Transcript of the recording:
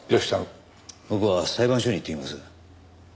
僕は裁判所に行ってきます。